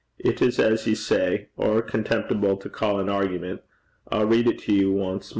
It is as ye say ower contemptible to ca' an argument. I'll read it to ye ance mair.'